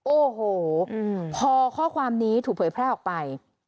โอ้โหพอข้อความนี้ถูกเผยแพร่ออกไป